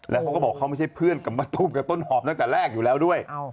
แล้วเขาก็บอกเขาไม่ใช่เพื่อนกับมะตูมกับต้นหอมตั้งแต่แรกอยู่แล้วด้วย